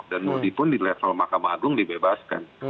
dan murdi pun di level mahkamah agung dibebaskan